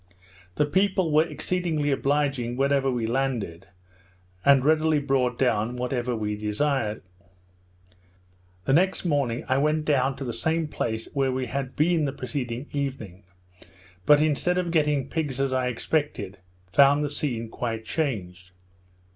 The people were exceedingly obliging wherever we landed, and readily brought down whatever we desired. Next morning I went down to the same place where we had been the preceding evening; but instead of getting pigs, as I expected, found the scene quite changed.